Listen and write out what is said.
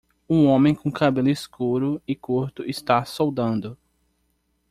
Um homem com cabelo escuro e curto está soldando.